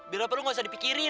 biar apa lu gak usah dipikirin